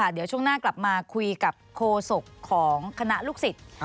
เดี๋ยวช่วงหน้ากลับมาคุยกับโคศกของคณะลูกศิษย์